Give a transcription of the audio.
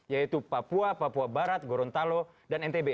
yaitu papua papua barat gorontalo dan ntb